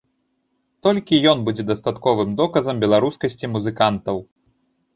Толькі ён будзе дастатковым доказам беларускасці музыкантаў.